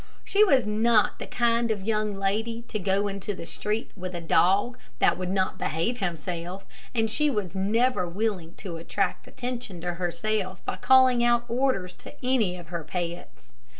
She was not the kind of a young lady to go into the street with a dog that would not behave himself, and she was never willing to attract attention to herself by calling out orders to any of her pets.